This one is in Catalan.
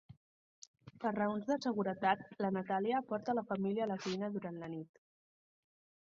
Per raons de seguretat, la Natàlia porta la família a la cuina durant la nit.